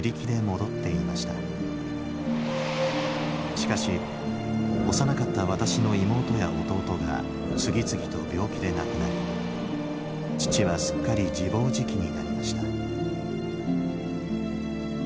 しかし幼かった私の妹や弟が次々と病気で亡くなり父はすっかり自暴自棄になりました